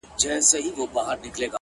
هوښیار انتخاب د وخت درناوی دی